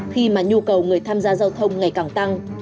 khi mà nhu cầu người tham gia giao thông ngày càng tăng